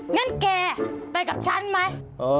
งั้นแกไปกับฉันไหม